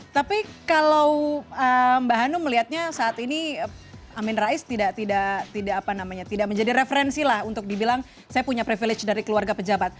tapi kalau mbak hanum melihatnya saat ini amin rais tidak menjadi referensi lah untuk dibilang saya punya privilege dari keluarga pejabat